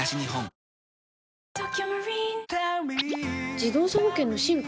自動車保険の進化？